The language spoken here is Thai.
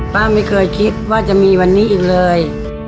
ป้าไม่เคยคิดว่าจะมีวันนี้อีกเลย